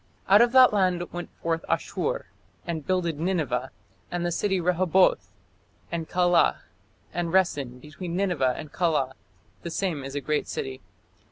Out of that land went forth Asshur and builded Nineveh, and the city Rehoboth, and Calah, and Resen between Nineveh and Calah: the same is a great city.